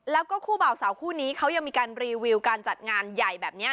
แล้วก็คู่บ่าวสาวคู่นี้เขายังมีการรีวิวการจัดงานใหญ่แบบนี้